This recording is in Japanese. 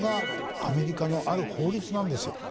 アメリカのある法律なんですよ。